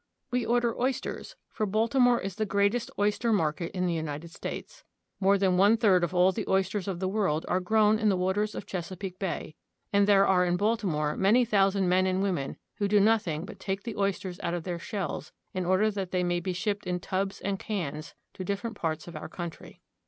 We order oysters, for Baltimore is the greatest oyster market in the United States. More than one third of all the oysters of the world are grown in the waters of Chesa peake Bay, and there are in Baltimore many thousand men and women who do nothing but take the oysters out of their shells in order that they may be shipped in tubs and cans to different parts of our country.